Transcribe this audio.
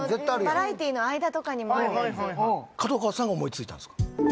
バラエティーの間とかにもある角川さんが思いついたんすか？